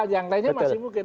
yang lainnya masih mungkin